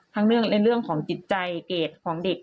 ทั้งเรื่องในเรื่องของจิตใจเกรดของเด็ก